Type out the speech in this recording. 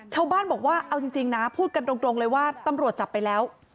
ชาวบ้านบอกว่าเอาจริงนะพูดกันตรงเลยว่าตำรวจจับไปแล้ว